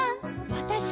「わたし？